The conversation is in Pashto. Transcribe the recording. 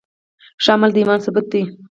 ښه عمل د ایمان ثبوت دی.